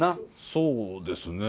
そうですね。